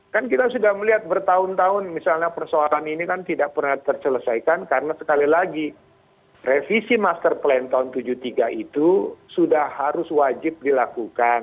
kan kita sudah melihat bertahun tahun misalnya persoalan ini kan tidak pernah terselesaikan karena sekali lagi revisi master plan tahun seribu sembilan ratus tujuh puluh tiga itu sudah harus wajib dilakukan